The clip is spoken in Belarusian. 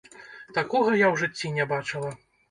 Такога я ў жыцці не бачыла.